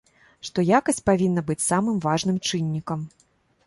Што якасць павінна быць самым важным чыннікам.